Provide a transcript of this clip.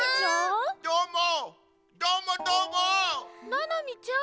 ななみちゃん？